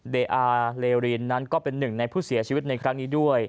เดอาเลรีนนั้นก็เป็นหนึ่งในผู้เสียชีวิตในครั้งนี้ด้วย